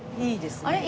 いいですね。